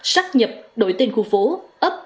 sát nhập đổi tên khu phố ấp